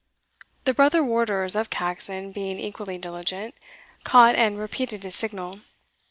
The brother warders of Caxon being equally diligent, caught, and repeated his signal.